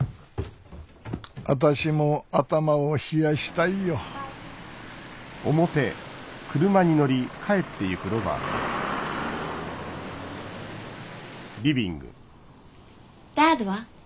私も頭を冷やしたいよダッドは？